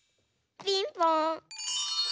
ピンポン！